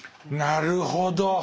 なるほど！